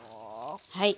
はい。